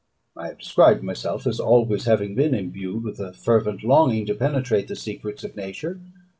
I have described myself as always having been embued with a fervent longing to penetrate the secrets of nature.